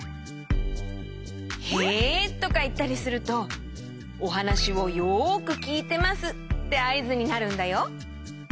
「へ」とかいったりするとおはなしをよくきいてますってあいずになるんだよ。